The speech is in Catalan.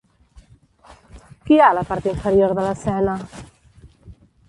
Qui hi ha a la part inferior de l'escena?